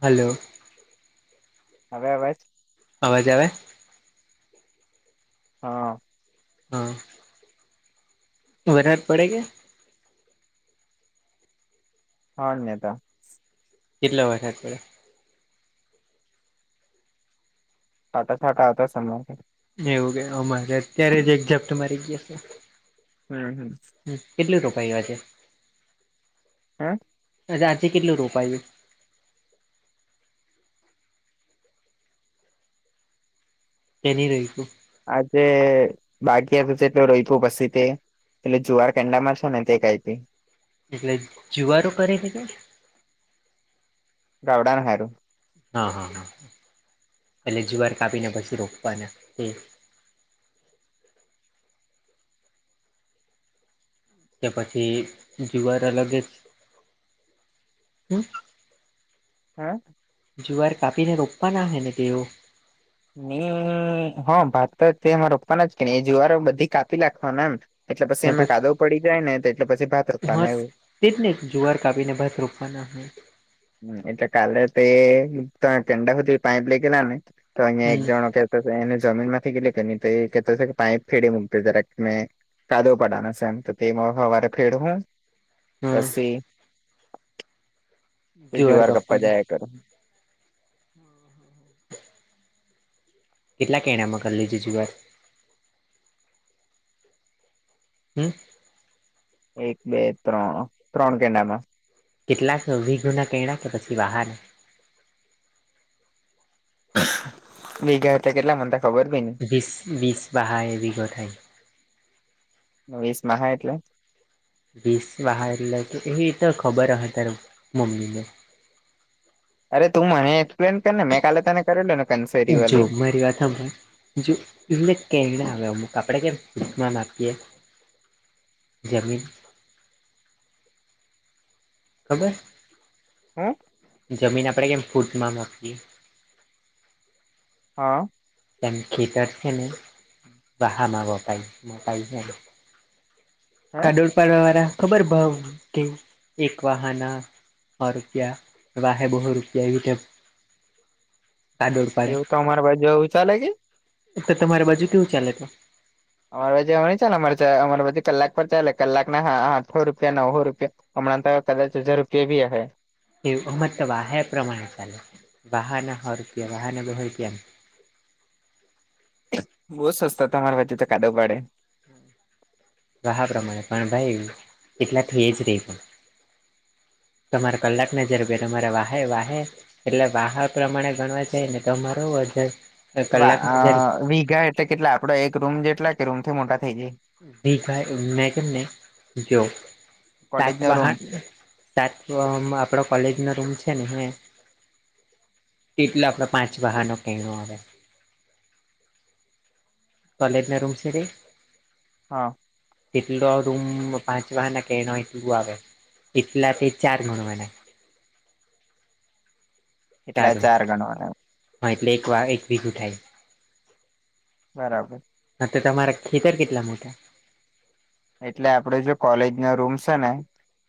Hello. હવે અવાજ. અવાજ આવે. હા. હા બરાર પડે છે. હા અન્યતા. કેટલે વર્યા થોડ ટાટા છાટા હતા સમય એવું કે અમારે અત્યારે જ એકઝપ્ટ મારી ગયા છે. હમ હમ હ કેટલી રોપાઈ વા છે. હા. અ અજ કટલો રોપાયુ. કેની રઈશું. આજે બાકીટલ રઈતું પી વશે તે. એટલે જુવાર કેંડા મારો ને તે કી એટલે જુવારો કરે કે ગવડા હારું હા હા હા એટલે જીવાર કાપીને પછી રોપવાના કે પછી જુવાર અલગે જ હમ. હા. જુવાર કાપીને રોપવાના છે ને તેઓ. ન ભાત તો તેમાં રોપવાના જ કે ને એ જુવારો બધી કાપી લખવાના એમ એટલે ને પછી એમાં પછ કાદવ પડી જાય ને તો એટલે પછી ભાતરતા ન હા હોય. તે જ ને જુવાર કાપીને બસ રોપવાના હોય હ એટલે કાલે તે તમે કેંડા ખોજ પાપ લેગ લ ને તો અહીયા એક હમ જણ કે એને જમીન માંથી ગટલે કે એ કેતો કે પાઈપ ફેડડી મ જરાક મેં કાદો પડનો છે એમ તો તેમાં સવારે ફેડવું હા, પછી બીજી જુવાર વાર કપ્પા કાપવાના જયા કર કેટલાક એણામાં કરી લેજેવાત હમ એક બે ત્રણ ત્રણ કેંડામાં કેટલા ગુના કેણા કે પછી બહાર ભગા હતા કેટલા મતા ખબર ભ ને વિસ વિસ બહાય વિગો થાય વીસ મહ એટલે વીસ વાહાર એટલે કે એવી તો ખબર ત્યારે મમ્મીને અરે તું મને એક્સપ્લેન કર ને મેં કાલે તને [unintelligible] જો મારી વાત હાભળ જો એલે કે ના હ કપડે કેમન આપતી જમીન ખબર હમ જમીન આપડે કેમ ફૂટમાં માપીએ હા તેમં ખતર છેને બ હામ પ મ પાઈ છે. હે કાડોળ પાડવા વાળા ખબર ભાવ કે એક વાહના હો રૂપિયા એ હે બહુ રૂપિયા એ ગટ એવું તો અમારા બાજુ એવું ચાલે કે તો તમારી બાજુ કેવું ચાલે તો અમરવાાજી ચાલે અમાર અરજી કલાક પર ચાલે કલાક હા આઠો રૂપિયા નવો રૂપિયા હમણાં તો કદાચ હજાર રૂપિયા ભી હે એવું અમ તો વાહ્ય પ્રમાણે ચાાલ છે વાહન હારતી વાહન બહતીમ બહુ સસ્તા હતા તમારા વચ્ચે તો કાદવ પાડે વાહા પ્રમાણે પણ ભાઈ એટલા થ એ જ રહી પણ તમારા કલાકને જર બેરે તમારે વાહે વાહે એટલે વાહાર પ્રમાણે ગણવા જાય ને તમારુંજન વા અ વીઘા એટલે કેટલા આપડો એક રૂમ જેટલા કે રૂમ થી મોટા થઇ જાય બજાઈ ઉન્મેને જો કોલેજ તટ નો રૂમ બહાર સાત આપડો કોલેજ નો રૂમ છે ને હ એટલ આપડ પાંચ વાહનો કણ આવે કોલેજ રૂમસ છે હા એટલો રૂમ પાંચ વાના કેણ એટલું આવે એટલા તે ચાર ગણવાના એટલે ચાર ગણવા હા એટલે એક વા એક વગું થાય બરાબર હ તો તમારા ખેતર કેટલા મોટા એટલે આપડે જો કોલેજ નો રૂમ છે ને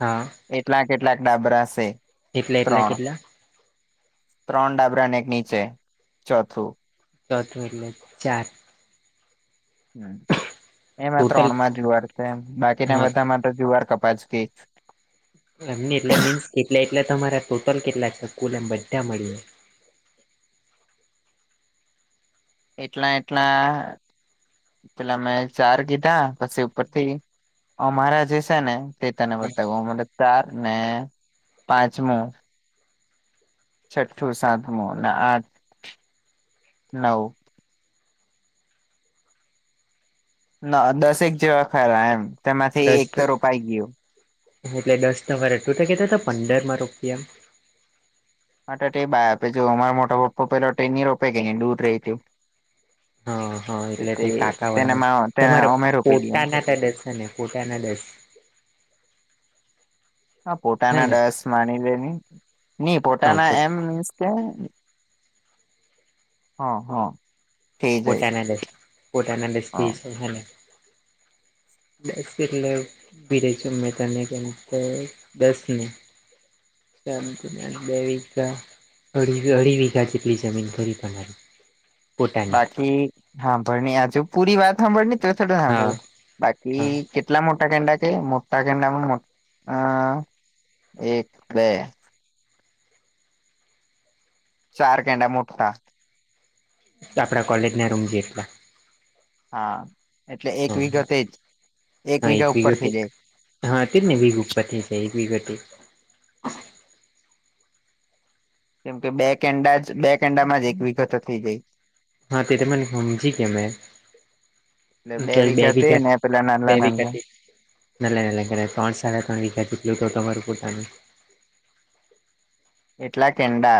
હા એટલાક કેટલાક ડાબરા છે એટલા એટલા ત્રણ કેટલા ત્રણ ડાબરાને એક નીચે ચોથું [unintelligible] હ એમાં ટોટલ ત્રણમાં જુવાર છે બાકીના હા બધા માં તો જુવાર કપાસ ગ એમની એટલે મીન્સ કેટ એટલે તમારા ટોટલ કેટલા છે સ્કૂલ એમ બધા મળીએ એટલા એટલા પેલા મેં ચાર કીધા પછી ઉપરથી અમારા જે છે ને તે તને બતાવ ચાર ને પાંચમું છઠ્ઠું સાતમુ અને આઠ નવ ના દસેક જેવા ખરા એમ તેમાંથી દસ એક રોપાઈ ગયું. એટલે દસ તમારે તુ તો કેતા હતા પંદર માં રોપીયે માટે એ બ આપે જો અમારા મોટા પપ્પા પેલાની રોપે કે ન દૂર રહીયું હા હા એટલે તેને કાકાવાને તેને તમારા અમે રોપી દઈએ પોતાના ત દસે ને પોતાના દસ. હા હે પોતાના ને દસ માની લે નહી હા પોતાના પો એમ મીન્સ કે- હા હા હ [unintelligible] લે [unintelligible] એવી રીત ના અઢી અઢી વીઘાજી પલી જમીન ફરી થના બાકી સાંભળણી આ જો પૂરી વાત સાંભળની તો છ હા સાંભળ બાકી હા કેટલા મોટા કેંડા કે મોટા કેંડામાં એક બે ચાર કેંડા મોટટા આપણા કોલેજ ના રૂમ જેટલા. હા એટલે એક હા વિઘા થઈ એક હા વિઘા ઉપર થઇ વિગતે જાય હા તે જ ને વિઘુ ઉપર એક વિગ કેમ કે બે કેન્ડા જ બે કેન્ડામાં જ એક વિઘુ તો થઈ જાય. હા તે યાર મને હમજી કે મે એટલે બે વિગતે વિઘા ને પેલા બે નાનલા નાનલા વિઘા [unintelligible] એટલા કેંડા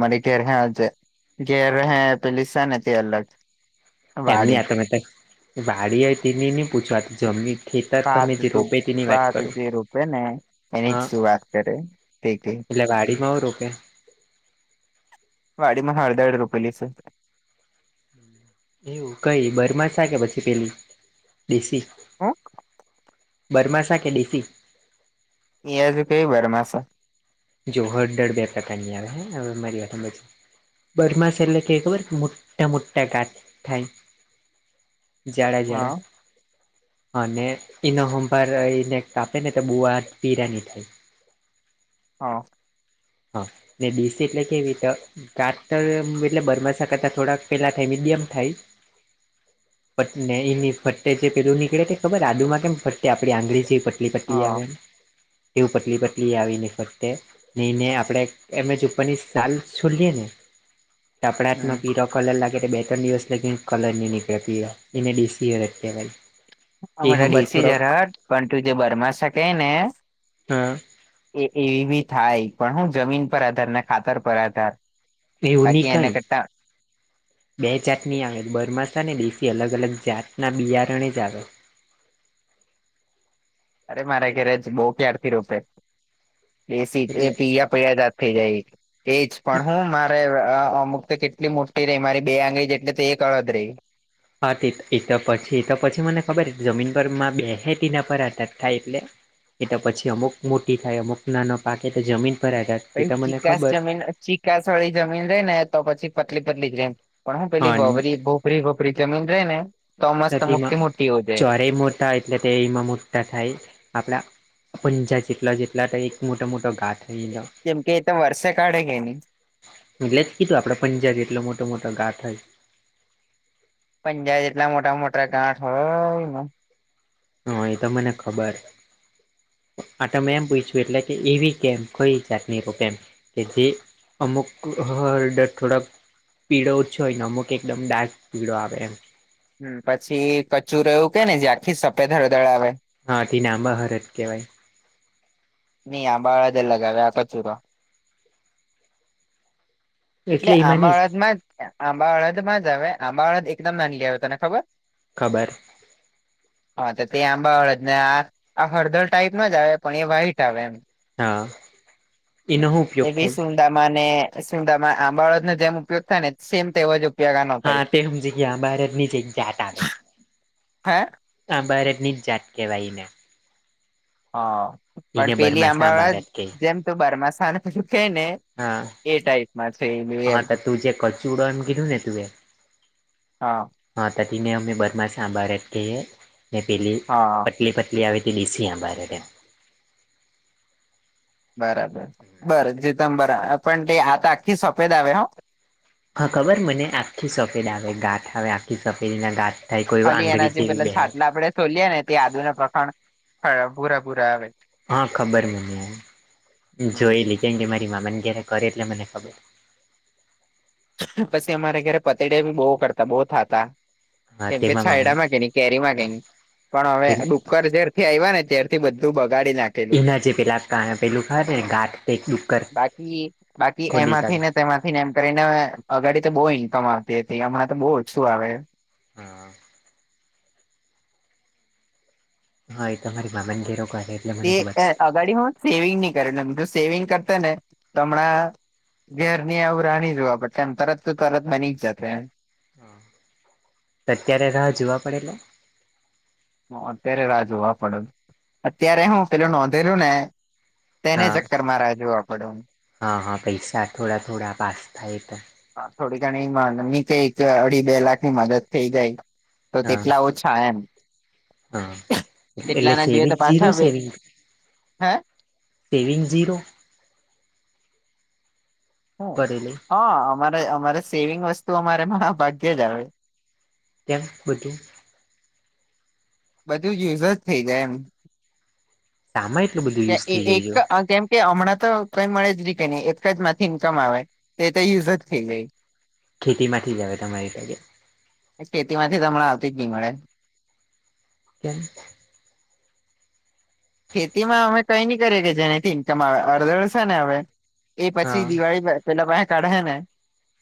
મારી ઘેર જે ઘેર હે પેલી સે તે અલગ એમની વાડી આ તમે ત વાડી હ તેની નહી પૂછવા જમી હા [unintelligible] એટલે વાાડી માં આવું રોપે વાડીમાં હડદઢ રોપેલી સ. એવું કઈ બરમાસા કે પછી પેલી દેશી? હુ? બરમાસા કે દેશી? એ કઈ બરમાસા? જો હડદર બે પ્રકારની આવે હે મારી વા બરમાસા એટલે કેવી ખબર? મોટા મોટા ગાત થાય. જાડા હા જાડા અને એનો હંભાર રહી ને કાપે ને તો બુઆ તિરાની થાય હા હા ને દેશી એટલે કેવી તો ઘાતર એમ એટલે બરમસા કરતા થોડાક પેલા થાય મીડિયમ થાય. એની ફતે જે પેલું નીકળે તે ખબર આદુ માં કેમ ફતે આપડી આંગળી જે પટ પલી પતલી હા આવે એવું પતલી પતલી આવી ફ નહીને આપ એ જ ઉપરની છોલીય ને હમ આપણામાં પ [unintelligible] એ અમારા હંભા દેશ થોડોક જરાટ પણ તું જે બરમા સાતે ને અ એ એવી બી થાય પણ હું જમીન પર આધાર ને ખાતર પર આધાર એવુ ની બાકી એને કઈ કરતા બે જાતની આવે બરમાસા ને દેશ અલગ અલગ જાતના બિયારણે જ આવે અરે મારે ઘેરે જ બો પ્યારથી રોપે એ એટલે [unintelligible] ફી જાય એજ પણ હું મારે અમુક કેટલી મોટી રહે મારી બે આંગળી જેટ તે અળદ રહે હા તે એ તો પછી એ તો પછી મને ખબર જમીન પર બે હ તેના પર આથત થાય એટલે એ તો પછી અમુક મોટી થાય અમુક નાનો પાકે એ તો જમીન પર આધાર તેતો મને ખબર ચીકાસળી જમીન રે ને તો પછી પતલી પતલી રે પણ હું હા રી વપરી જમીન રહેે ને તો મસ્ત તેમાં મોટી મોટી હોજાય ચોરે એટલે મોટા [unintelligible] મોટા થાય આપડા પંજા જેટલા જેટલા એક મોટા મોટો ઘા થઈ ગેલો જેમકે એ તો વર્ષ કાઢે કે ની એટલે જ કીધું આપડે પંજાબી એટલો મોટો મોટો ઘા થયે પંજાબ જેટલા મોટા મોટા ગાંઠ હોયમાં હા એ તો મને ખબર આટમે એમ પૂછ્યું એટલે કે એવી કેમ કોઈ જાત ની કેમ કે જે અમુક [unintelligible] થોડાક પીળો ઓછો હોય અમુક એકદમ ડાર્ક પીળો આવે એમ હ પછી કચુંરવું કે ને જ્યાં થી સફેદ હરદર આવે હા થી ના મા [unintelligible] કેવાય [unintelligible] આ કચૂરો એટલે એમાં આંબા ની વળદમાં જ આંબા અળદમાં જ આવે આંબા વળદ એકદમ નાન લી આવે તને ખબર ખબર હા તો તે આંબા હળદ ને આ આ હળદર ટાઈપ મા જ આવે પણ એ વ્હાઈટ આવે એમ હા એનો હું એ ઉપયોગ બી થાય સુંદામાં ને સુંદામાં આંબાળો જેમ ઉપયોગ થાય ને સેમ તેજ હા તે હ જગ્યા બારત ની જઈ જાત આવે હે આ ભારત ની જ જાત કેહેવાય એને હા એને પણ પેલી બરમાં આંબા સાંભાર હળદ જ કે જેમતૂ બરમાસાને બધું કે ને એ ટાઈપમાં છે એલું હા હા એમ તો તુંજે કચ્ચું ઉડણ કીધું ને તુવે હા હા ત ને અમે [unintelligible] પેલી હા તે પતલી આવી તે દેશી [unintelligible] બરાબર [unintelligible] પણ તે આ આખ્ખી સફેદ આવે હા ખબર મને આખી સફેદ આવે ગાંથ આવે આખી સફેદના ગાથ ખાલી એના જે પેલા છાટલા આપડે સોલએ ને તે આદુના પ્રખાણ પૂરા પૂરા આવે હા ખબર મને જોય લ કેમ કે મારી મામાને ક્યારે કરે એટલે મને ખબર પછી અમારે ઘરે પતેડિયા બહુ કરતા બહુ થતા હા કેમ કે તેમાં મામાને છાયડા માં કે ન કેરી માં કે હા ની પણ હવે ર જેારથી આવ ને ત્યારથી બધું બગાડી નાખે પેલું, એના જે પેલા પેલું ખબર ને ગાંઠ તે ડુક્કર બાકી બાકી ખોદી કાઢે એમાંથીને તેમાંથી ને એમ કરીને અગાડી તો બહુ ઇન્કમ આવતી હતી, હમણાં તો બહુ ઓછું આવે. હા હા એ તમારી મામાન ઘેરો કરે એટલે તે મને ખબર છે. અગાડી હું સેવિંગ ની કરે તો સેવિંગ કરતા ને હમણાં ઘેર ની આવું રાની જોવા પડશે એમ તરત ને તરત બની જ જતે હા, તો અત્યારે રાહ જોવા પડે એટલે? હો અત્યારે રાહ જોવા પડે, અત્યારે હ પેલું નોંધેલું ને. તેને હા ચક્કરમા રાહ જોવ આપડું. હા હા પૈસા થોડા થોડા પાસ થાય તો. હા થોડી ઘણી માંગણી છે કે અઢી બે લાખ ની મદદ થઈ જાય, તો હા તેટલા ઓછ થા એમ હા એટલે તેટલા ના જોઈએ સેવિંગ તો ઝીરો પાછા બે સેવીંગ. હે સેવિંગ ઝીરો હ કરેલી હા અમારે અમારે સેવિંગ વસ્તુ અમારે મા ભાગ્ય જ આવે. ત્યા બધુ બધું યુઝજ થઇ જાય એમ. સામાં એટું બધું. ત્યાં યુઝ અ થઈ એ જાય એક જો અ કેમ. કે હમણાં તો કઈ મળેજ રી કે નહી, એકજ માંથી ઈન્કમ આવે, તો એ તો યુઝજ થઈ જાય. ખેતી માંથીજ આવે તમારી સાથેે. એ ખેતી માંથી તો હમણા આવતી જ નઈ મળે. કેમ ખેતી માં અમે કઈ નહી કરીએ કે જેનાથી ઇન્કમ આવે, અડધડ શેને હવે, એ હા પછી દિવાળી પેલા પાહે કધેહને.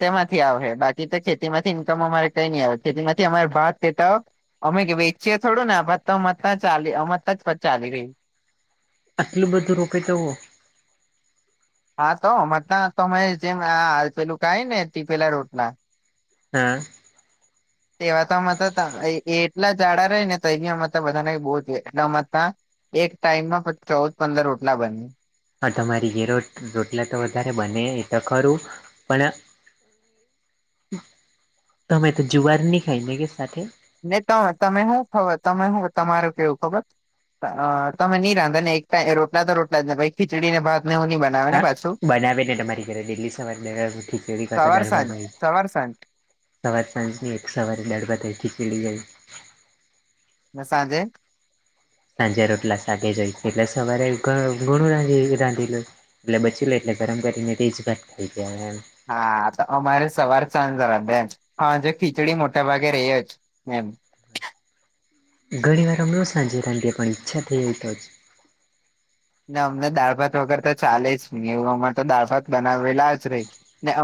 તેમાંથી આવહે, બાકી તો ખેતી માંથી ઇન્કમ અમારે કઈ નઈ આવે. ખેતી માંથી અમારે ભાત કેતા હો અમે કે વેચીએ થોડુંને, આ ભાત તો અમાર ત્યાંજ ચાલે, અમાર ત્યાંજ ચાલે. આટલું બધું રોપે તો હો? હા તો અમાર ત્યાં તમે જેમ આ પેલું કાય ને ટીપેલા રોટલા હા એવા તોત ત્યાં, એ એટલા જાડા ર ને તો એની બધાને બહુ જ રમત હતા એક ટાઈમમાં પ ચૌદ પંદર રોટલા બની. હા તમારી ઘેર રોજ રોટલા તો વધારે બને એ તો ખરું, પણ તમે તો જુવાર નહી ખાઈ ને કે સાથે ન ત તમે હુ ખબર તમે હુ તમારું કેવું ખબર અ તમે ની રાંધાને એક તા રોટલા તો રોટલા જ, ખીચડીને ભાત ને એઉ ની બને. હા બનાવે ને તમારી ઘરે ઈડલી સાંભાર ને ખીચડી કાંતો સવાર દાળભાત સાંજ બને. સવાર સાંજ સવાર સાંજની એક સવારે દડભધ ખીચીલી હોઈ. ને સાંજે? સાંજે રોટલા સાતેેજ હોય, એટલે સવારે ઘણું રાી રાંધી લે. એટલે બચી લો એટલે ગરમ કરીને તેજ ઘટ થાઈ જાય એમ. હા તો અમારે સવાર સાજ રાંધે એમ, હાંજે ખીચડી મોટા ભાગે રહી જ એમ ઘણી વાર હમણા સાંજે રાંધીએ પણ ઈચ્છા થઈ હો તોજ ને અમને દાળ ભાત વગર તો ચાલે જ નહી, એવું અમારે તો દાળભાત બનાવેલા જ રહે. ને અમ